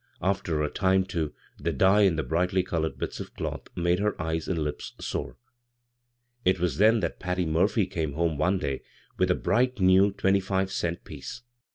After a time, too, the dye in the brighdy colored bits of cloth made her eyes and lips sore. It was then that Patty Murphy came hcHoe one day with a bright new twenty five cent piece.